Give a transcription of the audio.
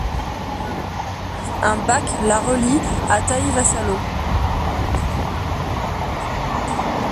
Un bac la relie à Taivassalo.